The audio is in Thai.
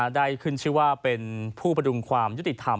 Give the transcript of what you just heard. ได้ขึ้นชื่อว่าเป็นผู้ประดุงความยุติธรรม